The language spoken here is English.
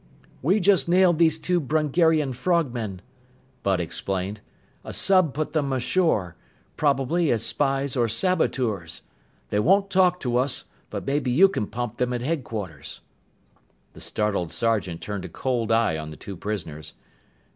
"We just nailed these two Brungarian frogmen," Bud explained. "A sub put them ashore probably as spies or saboteurs. They won't talk to us, but maybe you can pump them at headquarters." The startled sergeant turned a cold eye on the two prisoners.